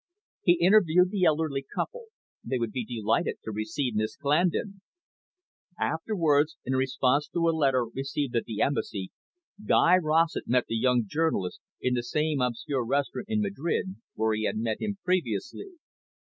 He interviewed the elderly couple; they would be delighted to receive Miss Clandon. Afterwards, in response to a letter received at the Embassy, Guy Rossett met the young journalist in the same obscure restaurant in Madrid, where he had met him previously.